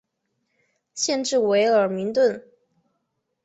县治威尔明顿。